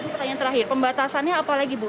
pertanyaan terakhir pembatasannya apa lagi bu